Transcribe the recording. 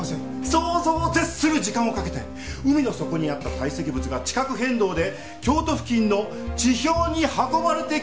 想像を絶する時間をかけて海の底にあった堆積物が地殻変動で京都付近の地表に運ばれてきた。